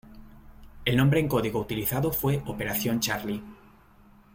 El nombre en código utilizado fue "Operación Charlie".